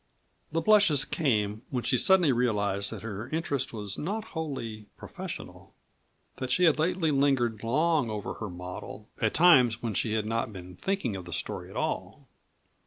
The blushes came when she suddenly realized that her interest was not wholly professional, that she had lately lingered long over her model, at times when she had not been thinking of the story at all.